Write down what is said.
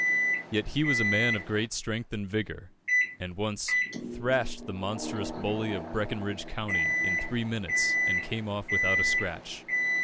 Yet he was a man of great strength and vigour, and once "thrashed the monstrous bully of Breckinridge County in three minutes, and came off without a scratch."